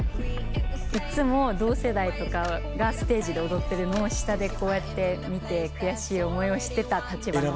いっつも同世代とかがステージで踊ってるのを下でこうやって見て悔しい思いをしてた立場の人で。